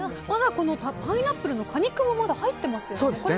パイナップルの果肉もまだ入ってますよね。